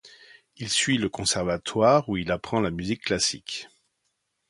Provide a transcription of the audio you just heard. Il suit le conservatoire, où il apprend la musique classique.